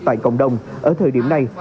tại cộng đồng ở thời điểm này